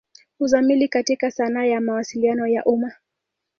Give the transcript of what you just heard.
Uzamili katika sanaa ya Mawasiliano ya umma.